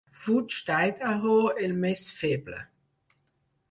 Fuig d'Idaho el més feble.